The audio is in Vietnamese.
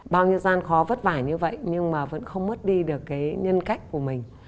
bao nhiêu gian khó vất vả như vậy nhưng mà vẫn không mất đi được cái nhân cách của mình